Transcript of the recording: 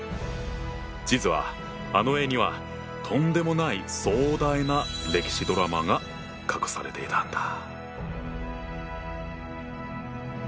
実はあの絵にはとんでもない壮大な歴史ドラマが隠されていたんだ。